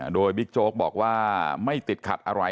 โดยบิ๊กโจ๊กบอกว่าไม่ติดขัดอะไร